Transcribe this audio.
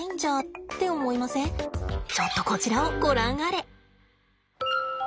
ちょっとこちらをご覧あれ。